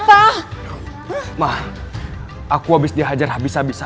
kalau pendek juga kmwait